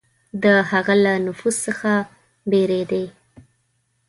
د هغه له نفوذ څخه بېرېدی.